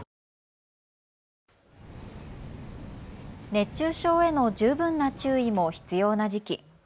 熱中症への十分な注意も必要な時期。